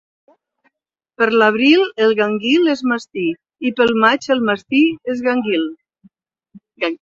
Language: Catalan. Per l'abril el gànguil és mastí i pel maig el mastí és gànguil.